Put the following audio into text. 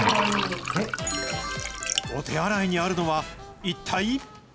お手洗いにあるのは一体？